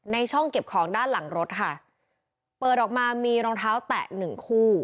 ช่องเก็บของด้านหลังรถค่ะเปิดออกมามีรองเท้าแตะหนึ่งคู่